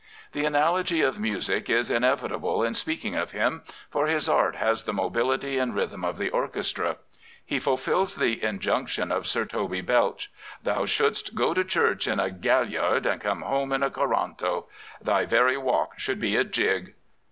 The analogy of music is inevitable in speak ing of him, for his art has the mobility and rh5^hm of the orchestra. He fulfils the injunction of Sir Toby Belch, " Thou shouldst go to church in a gal liard and come home in a co^apto. Thy very walk should be a jig."